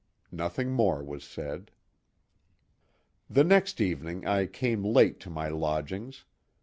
Nothing more was said. The next evening I came late to my lodgings.